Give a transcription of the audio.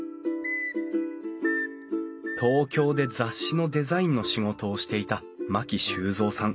東京で雑誌のデザインの仕事をしていた牧修三さん知子さん夫妻。